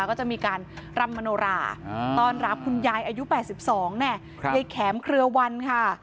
ก็จะมีการรำมโนราต้อนรับคุณยายอายุ๘๒ยายแข็มเครือวันค่ะ